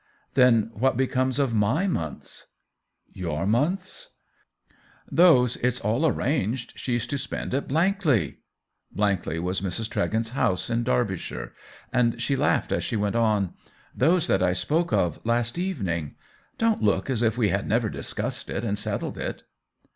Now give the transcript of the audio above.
" Then what becomes of my months ?"" Your months ?" "Those it's all arranged she's to spend at Blankley." Blankley was Mrs. Tregent's house in Derbyshire, and she laughed as she went on :" Those that I spoke of last evening. Don't look as if we had never discussed it and settled it